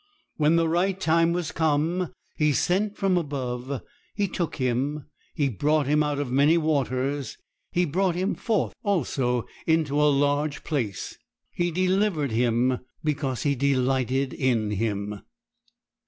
When the right time was come, 'He sent from above, He took him, He brought him out of many waters. He brought him forth also into a large place; He delivered him, because He delighted in him.'